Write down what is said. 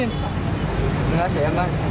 ini lah saya mah